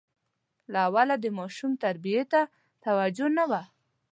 له اوله د ماشوم تربیې ته توجه نه وه.